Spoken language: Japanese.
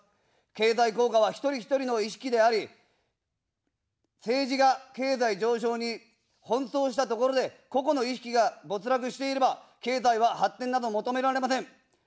経済効果は一人一人の意識であり、政治が経済上昇に奔走したところで、個々の意識が没落していれば経済は発展など求められません。